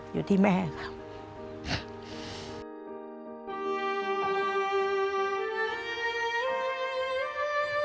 อยู่ที่แม่ค่ะ